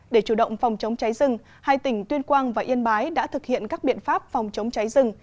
để chủ động phòng chống cháy rừng hai tỉnh tuyên quang và yên bái đã thực hiện các biện pháp phòng chống cháy rừng